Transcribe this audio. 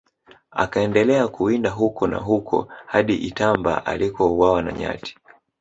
Akaendelea kuwinda huko na huko hadi Itamba alikouawa na nyati